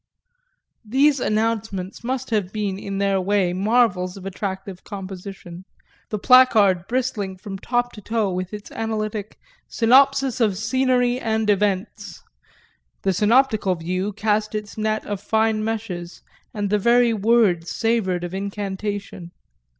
These announcements must have been in their way marvels of attractive composition, the placard bristling from top to toe with its analytic "synopsis of scenery and incidents"; the synoptical view cast its net of fine meshes and the very word savoured of incantation.